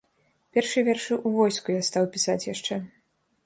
Першыя вершы ў войску я стаў пісаць яшчэ.